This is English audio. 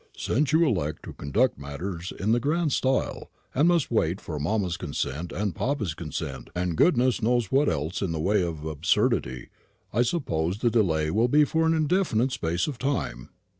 "Since you elect to conduct matters in the grand style, and must wait for mamma's consent and papa's consent, and goodness knows what else in the way of absurdity, I suppose the delay will be for an indefinite space of time."